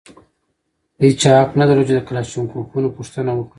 هېچا حق نه درلود چې د کلاشینکوفونو پوښتنه وکړي.